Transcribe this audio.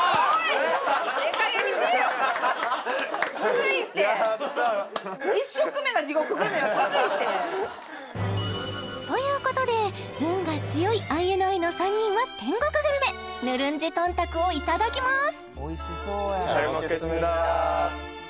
キツいってやったー！ということで運が強いＩＮＩの３人は天国グルメヌルンジトンタクをいただきます